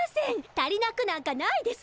足りなくなんかないです！